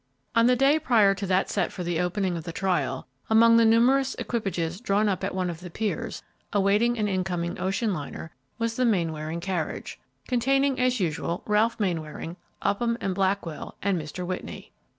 On the day prior to that set for the opening of the trial, among the numerous equipages drawn up at one of the piers, awaiting an incoming ocean liner, was the Mainwaring carriage, containing, as usual, Ralph Mainwaring, Upham and Blackwell, and Mr. Whitney.